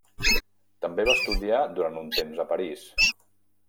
També va estudiar durant un temps a París.